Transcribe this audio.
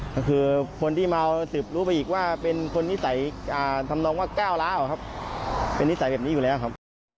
ก็คือคนที่เมาสืบรู้ไปอีกว่าเป็นคนนิสัยทำนองว่าก้าวล้าครับเป็นนิสัยแบบนี้อยู่แล้วครับ